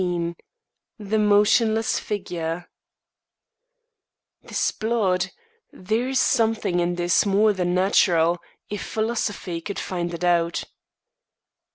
XIV THE MOTIONLESS FIGURE 'S blood, there is something in this more than natural, if philosophy could find it out.